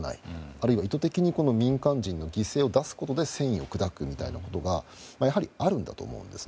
あるいは、意図的に民間人の犠牲を出すことで戦意を砕くみたいなことがあるんだと思います。